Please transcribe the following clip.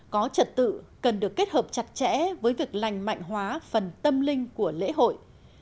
có trật tự cần được kết hợp chặt chẽ với việc lành mạnh hóa phần tâm linh của lễ hội